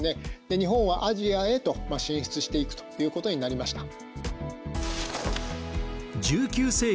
で日本はアジアへと進出していくということになりました。